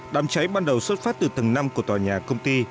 đám cháy ban đầu xuất phát từ tầng năm của tòa nhà công ty